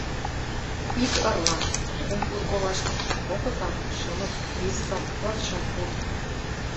Ик ырлан — кум ур коваште, кокытлан — шымыт, визытлан — латшым ур.